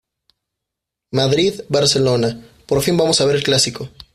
Madrid, Barcelona, por fin vamos a ver el clásico